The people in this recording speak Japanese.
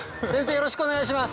よろしくお願いします。